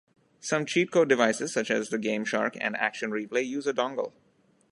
Some cheat code devices, such as the GameShark and Action Replay use a dongle.